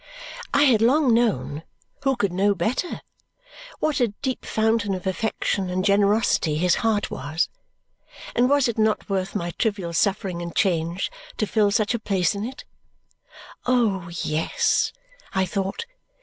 I had long known who could know better? what a deep fountain of affection and generosity his heart was; and was it not worth my trivial suffering and change to fill such a place in it? "Oh, yes!" I thought.